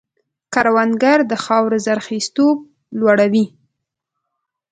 کروندګر د خاورې زرخېزتوب لوړوي